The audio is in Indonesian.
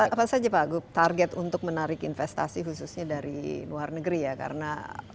apa saja pak gub target untuk menarik investasi khususnya dari luar negeri ya karena